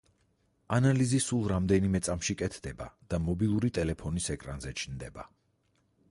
ანალიზი სულ რამდენიმე წამში კეთდება და მობილური ტელეფონის ეკრანზე ჩნდება.